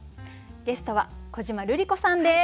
ゲストは小島瑠璃子さんです。